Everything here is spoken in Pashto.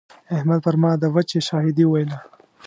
احمد پر ما د وچې شاهدي وويله.